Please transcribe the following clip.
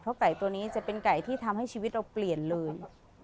เพราะไก่ตัวนี้จะเป็นไก่ที่ทำให้ชีวิตเราเปลี่ยนเลย